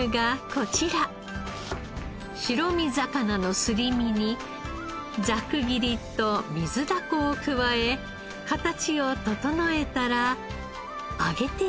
白身魚のすり身にざく切りと水だこを加え形を整えたら揚げていきます。